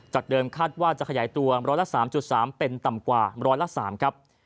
จากเดิมคาดว่าจะขยายตัว๑๐๓๓เป็นต่ำกว่า๑๐๓ครับ